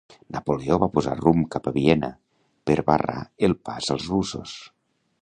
Napoleó va posar rumb cap a Viena per barrar el pas als russos.